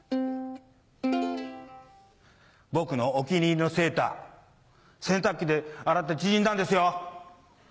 僕のお気に入りのセーター洗濯機で洗って縮んだんですよ。